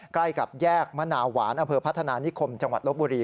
ใกล้กับแยกมะนาวหวานอำเภอพัฒนานิคมจังหวัดลบบุรี